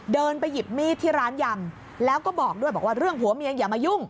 เดินไปหยิบมีดที่ร้านยำแล้วก็บอกด้วยบอกว่าเรื่องผัวเมียอย่ามายุ่ง